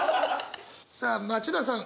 さあ町田さん